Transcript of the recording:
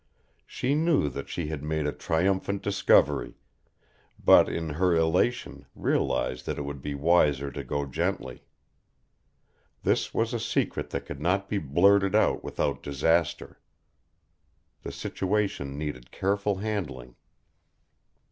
She knew that she had made a triumphant discovery, but in her elation realised that it would be wiser to go gently. This was a secret that could not be blurted out without disaster. The situation needed careful handling.